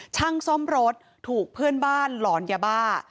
ช่างซ่อมรถถูกเพื่อนบ้านหลอนยาบ้า